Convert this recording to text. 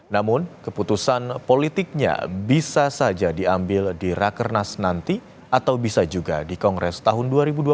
namun keputusan politiknya bisa saja diambil di rakernas nanti atau bisa juga di kongres tahun dua ribu dua puluh empat